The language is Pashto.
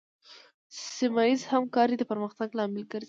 سیمه ایزه همکارۍ د پرمختګ لامل ګرځي.